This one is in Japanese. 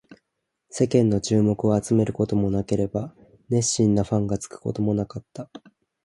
世間の注目を集めることもなければ、熱心なファンがつくこともなかった